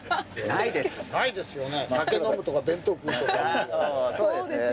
ないですよね。